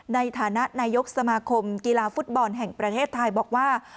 ในฐานะนายกสมาคมกีฬาฟุตบอลแห่งประเทศไทยบอกว่า